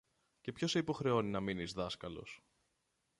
Και ποιος σε υποχρεώνει να μείνεις δάσκαλος;